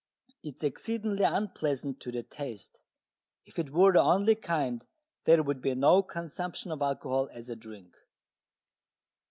It is exceedingly unpleasant to the taste: if it were the only kind there would be no consumption of alcohol as a drink.